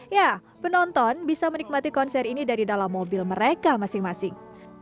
ya penonton bisa menikmati konser ini dari dalam mobil mereka masing masing